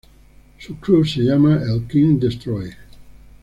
Su "crew" se llama el "kings Destroy".